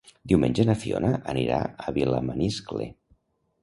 Diumenge na Fiona anirà a Vilamaniscle.